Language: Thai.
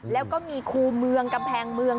แล้วก็มีคู่เมืองกำแพงเมือง